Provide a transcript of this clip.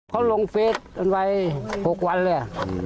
เขาลงเฟซฯจนกลาย๖วันเลย